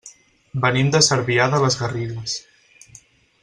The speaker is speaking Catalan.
Venim de Cervià de les Garrigues.